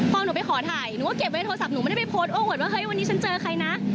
พอหนูไปขอถ่ายหนูก็เก็บไว้โทรศัพท์หนูไม่ได้ไปโพสต์โอเวิร์ดว่าเฮ้ยวันนี้ฉันเจอใครนะ